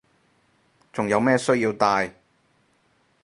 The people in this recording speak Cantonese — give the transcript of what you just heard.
仲有咩需要戴